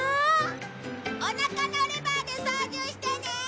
おなかのレバーで操縦してね！